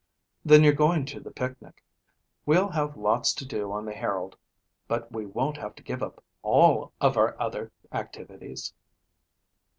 "Then you're going to the picnic. We'll have lots to do on the Herald but we won't have to give up all of our other activities."